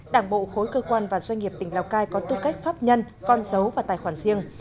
đảng bộ khối cơ quan và doanh nghiệp tỉnh lào cai có tư cách pháp nhân con dấu và tài khoản riêng